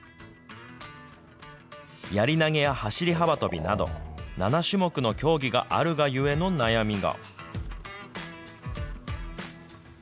やり投げや走り幅跳びなど、７種目の競技があるがゆえの悩みが。